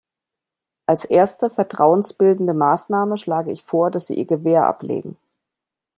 Als erste vertrauensbildende Maßnahme schlage ich vor, dass Sie ihr Gewehr ablegen.